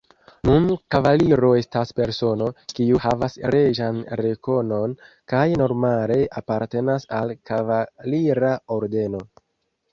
Nun kavaliro estas persono, kiu havas reĝan rekonon kaj normale apartenas al kavalira ordeno.